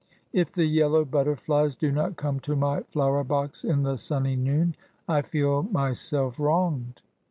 If the yellow butterflies do not come to my flower r box in the sunny noon, I feel myself wronged.